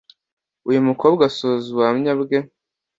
Uyu mukobwa asoza ubuhamya bwe